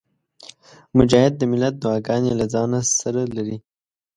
مجاهد د ملت دعاګانې له ځانه سره لري.